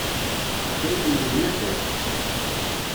Aql-ikem deg unafag.